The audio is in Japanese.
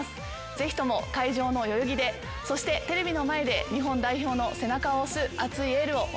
ぜひとも会場の代々木でそしてテレビの前で日本代表の背中を押す熱いエールをお願いします。